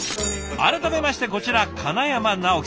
改めましてこちら金山直樹さん。